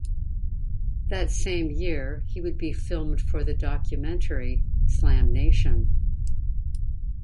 That same year, he would be filmed for the documentary "SlamNation".